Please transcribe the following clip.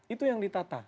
itu yang ditata